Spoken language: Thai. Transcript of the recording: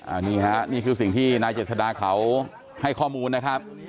อ้าวนี้นี่ครับนี่คือสิ่งที่ณเจษฎาเขาให้ข้อมูลนะครับ